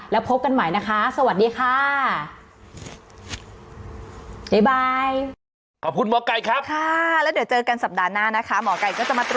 แล้วพบกันใหม่นะคะสวัสดีค่ะ